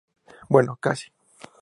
Bueno, casi.